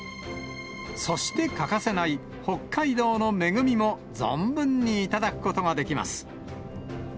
そして欠かせない北海道の恵みも存分に頂くことができます。